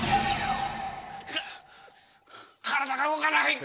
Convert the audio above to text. か体が動かない。